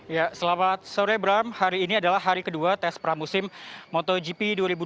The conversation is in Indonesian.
ya selamat sore bram hari ini adalah hari kedua tes pramusim motogp dua ribu dua puluh